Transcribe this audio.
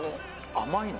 甘いの？